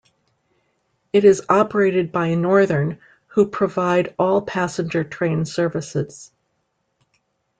It is operated by Northern who provide all passenger train services.